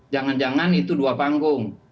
jangan jangan itu dua panggung